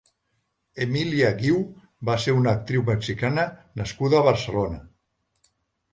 Emilia Guiú va ser una actriu mexicana nascuda a Barcelona.